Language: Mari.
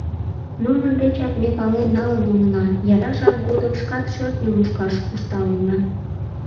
Нунын дечак ме пален налын улына, яра жап годым шкат шӧртньым мушкаш куржталынна.